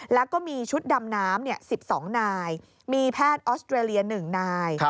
แล้วก็มีชุดดำน้ำ๑๒นายมีแพทย์ออสเตรเลีย๑นาย